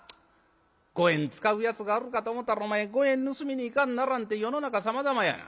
五円使うやつがあるかと思たらお前五円盗みに行かんならんて世の中さまざまやな。